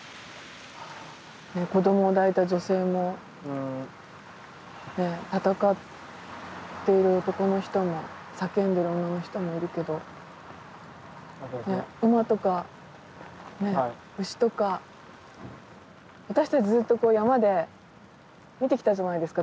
子供を抱いた女性も戦っている男の人も叫んでる女の人もいるけど馬とか牛とか私たちずっと山で見てきたじゃないですか